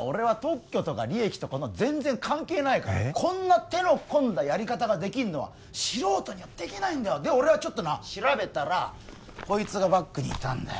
俺は特許とか利益とか全然関係ないからこんな手のこんだやり方ができるのは素人にはできないんだよで俺はちょっと調べたらこいつがバックにいたんだよ